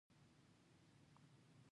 پښتو ژبه د زرګونو کلونو تاریخ لري.